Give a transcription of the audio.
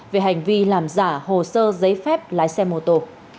về hành vi làm giả hồ sơ giấy phép lái xe mô tô